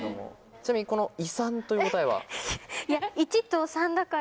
ちなみにこの「いさん」という答えは？